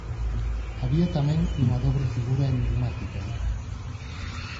Había tamén unha dobre figura enigmática.